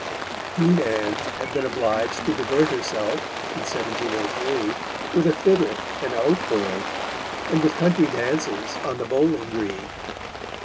Queen Anne had been obliged to divert herself, in 1703, with a fiddle and a hautboy, and with country dances on the bowling green.